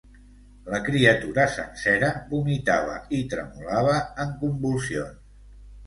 La criatura sencera vomitava i tremolava en convulsions.